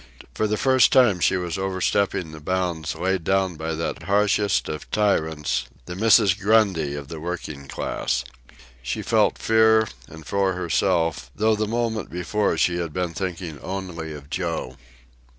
For the first time she was overstepping the bounds laid down by that harshest of tyrants, the Mrs. Grundy of the working class. She felt fear, and for herself, though the moment before she had been thinking only of Joe.